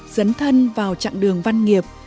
dấn thân vào chặng đường văn nghiệp